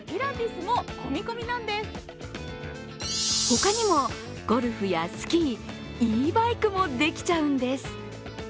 他にもゴルフやスキー、イーバイクもできちゃうんです。